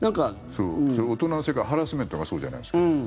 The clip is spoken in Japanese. それ、大人の世界でハラスメントがそうじゃないですか。